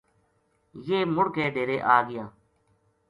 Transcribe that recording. یہ مُڑ کے ڈیرے آ گیا